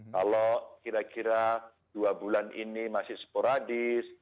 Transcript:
kalau kira kira dua bulan ini masih sporadis